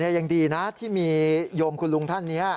ยังดีนะที่มีโยมคุณลุงท่านนี้